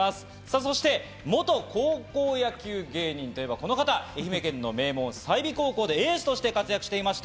そして元高校野球芸人といえばこの方、愛媛県の名門・済美高校でエースとして活躍していました